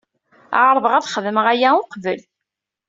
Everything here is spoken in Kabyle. Ɛerḍeɣ ad xedmeɣ aya uqbel.